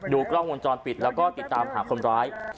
กล้องวงจรปิดแล้วก็ติดตามหาคนร้าย